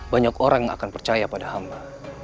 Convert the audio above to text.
banyak orang yang akan percaya pada hamba